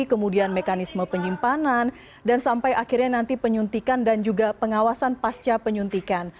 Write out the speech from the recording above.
kemudian mekanisme penyimpanan dan sampai akhirnya nanti penyuntikan dan juga pengawasan pasca penyuntikan